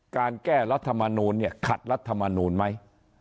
การแก้รัฐมนูลเนี่ยขัดรัฐมนูลไหม